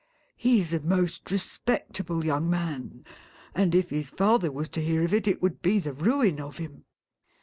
' He 's a most respectable young man, and if his father was to hear of it, it would be the ruin of him